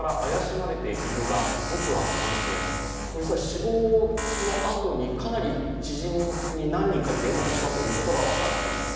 死亡のあとにかなり知人の何人かに連絡したことが分かっています。